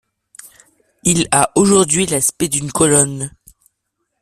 Il a aujourd'hui l'aspect d'une colonne.